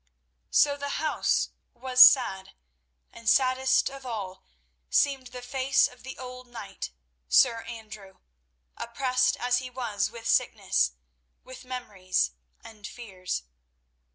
So the house was sad, and saddest of all seemed the face of the old knight, Sir Andrew, oppressed as he was with sickness, with memories and fears.